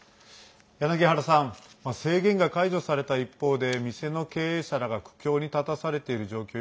柳原さん制限が解除された一方で店の経営者らが苦境に立たされている状況